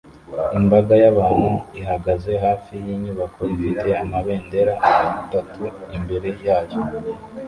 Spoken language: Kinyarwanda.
Imbaga y'abantu ihagaze hafi yinyubako ifite amabendera atatu imbere yayo